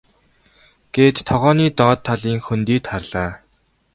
гээд тогооны доод талын хөндийд харлаа.